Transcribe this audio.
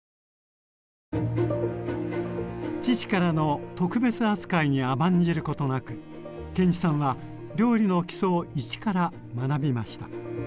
父からの特別扱いに甘んじることなく建一さんは料理の基礎を一から学びました。